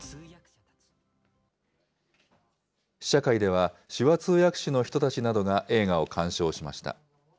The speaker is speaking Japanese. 試写会では、手話通訳士の人たちなどが映画を鑑賞しました。